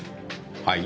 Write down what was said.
はい？